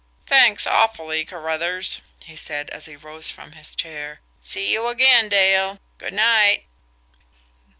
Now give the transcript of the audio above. "Thanks awfully, Carruthers," he said, as he rose from his chair. "See you again, Dale. Good night!"